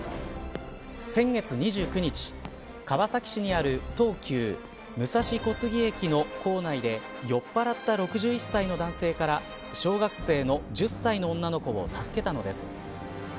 先月２９日川崎市にある東急武蔵小杉駅の構内で酔っぱらった６１歳の男性から小学生の１０歳の女の子を助けたのです。